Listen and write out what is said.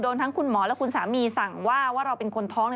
ทั้งคุณหมอและคุณสามีสั่งว่าว่าเราเป็นคนท้อง